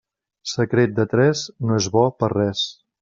Secret de tres no és bo per res.